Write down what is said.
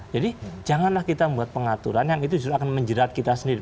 jadi janganlah kita membuat pengaturan yang itu akan menjerat kita sendiri